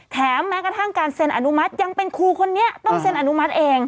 แม้กระทั่งการเซ็นอนุมัติยังเป็นครูคนนี้ต้องเซ็นอนุมัติเอง